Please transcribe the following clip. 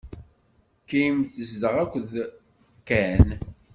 Kim tezdeɣ akked Ken.